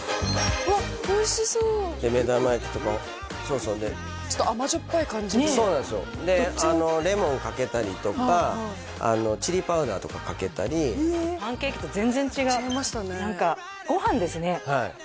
うわっおいしそう目玉焼きとかそうそうちょっと甘じょっぱい感じでそうなんですよでレモンかけたりとかチリパウダーとかかけたりパンケーキと全然違う何かご飯ですねはい